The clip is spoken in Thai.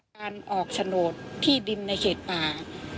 การออกโฉนดที่ดินในเขตป่า